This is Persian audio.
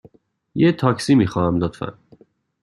یه تاکسی می خواهم، لطفاً.